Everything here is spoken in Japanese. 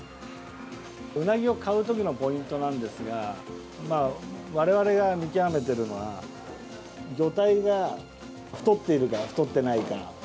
ウナギを買うときのポイントなんですが我々が見極めているのは、魚体が太っているか太ってないか。